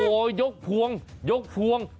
โอ้โหยกพวง